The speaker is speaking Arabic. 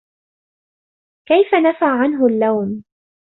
كَيْفَ نَفَى عَنْهُ اللَّوْمَ